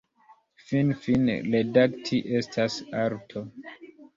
Finfine, redakti estas arto.